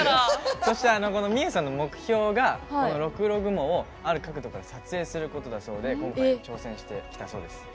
そしてこのみゆさんの目標がこの六郎雲を撮影することだそうで今回、挑戦してきたそうです。